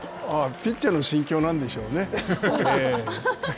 ピッチャーの心境なんでしょうね。